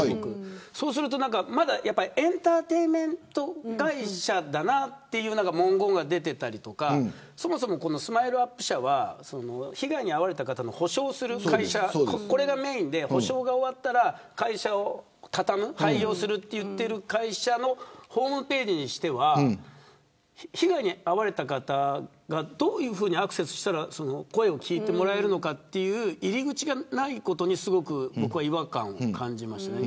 そうすると、まだエンターテインメント会社だなという文言が出ていたりそもそも、このＳＭＩＬＥ−ＵＰ．社は被害に遭われた方の補償をする会社これがメーンで補償が終わったら会社を畳むと言っている会社のホームページにしては被害に遭われた方がどういうふうにアクセスしたら声を聞いてもらえるのかという入り口がないことにすごく違和感を感じました。